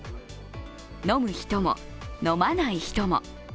飲む人も、飲まない人も。